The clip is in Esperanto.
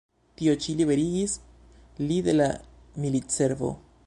Tio ĉi liberigis li de la militservo.